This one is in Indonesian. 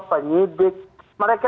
mereka itu sudah melakukan